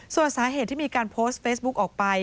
ส่วนสาเหตุที่มีการโพสต์เฟซบุ๊กออกไป